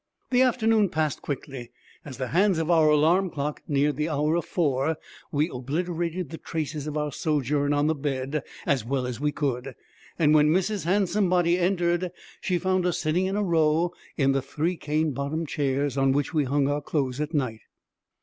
The afternoon passed quickly. As the hands of our alarm clock neared the hour of four we obliterated the traces of our sojourn on the bed as well as we could; and when Mrs. Handsomebody entered, she found us sitting in a row in the three cane bottomed chairs on which we hung our clothes at night.